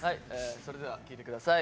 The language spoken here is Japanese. それでは聴いてください。